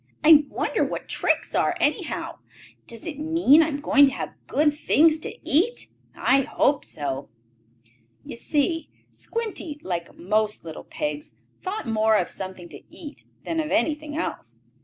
"I wonder what tricks are, anyhow? Does it mean I am to have good things to eat? I hope so." You see Squinty, like most little pigs, thought more of something to eat than of anything else.